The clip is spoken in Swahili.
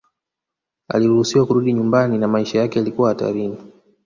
Aliruhusiwa kurudi nyumbani na maisha yake yalikuwa hatarini